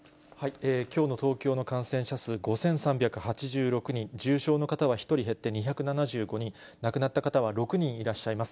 きょうの東京の感染者数５３８６人、重症の方は１人減って２７５人、亡くなった方は６人いらっしゃいます。